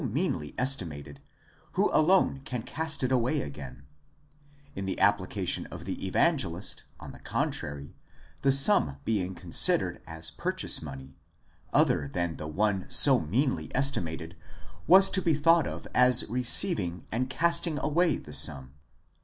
meanly estimated, who alone can cast it away again: in the appli cation of the Evangelist, on the contrary, the sum being considered as purchase money, another than the one so meanly estimated was to be thought of as receiving and casting away the sum.